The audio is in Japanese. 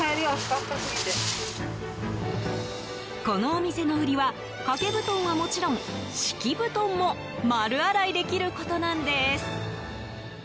このお店の売りは掛け布団はもちろん敷き布団も丸洗いできることなんです。